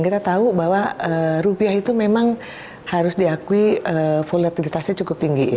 kita tahu bahwa rupiah itu memang harus diakui volatilitasnya cukup tinggi